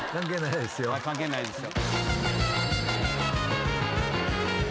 関係ないですよ。